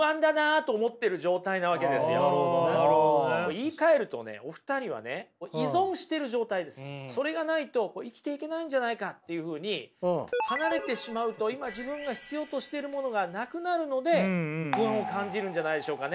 言いかえるとねお二人はねそれがないと生きていけないんじゃないかっていうふうに離れてしまうと今自分が必要としてるものがなくなるので不安を感じるんじゃないでしょうかね。